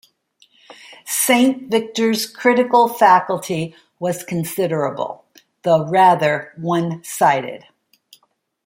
Saint-Victor's critical faculty was considerable, though rather one-sided.